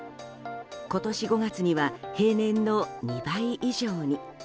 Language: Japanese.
今年５月には平年の２倍以上に。